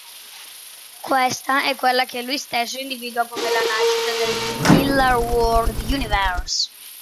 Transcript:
Questa è quella che lui stesso individua come la nascita del "Millarworld Universe".